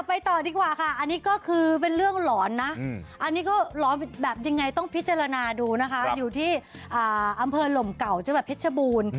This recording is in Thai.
อันนี้ก็ร้อนบทแบบยังไงต้องพิจารณาดูอยู่ที่อำเภอหลมเก่าเจ้าแบบพิชบูรณ์